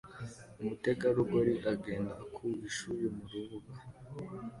Umutegarugori agenda ku ishuri mu rubura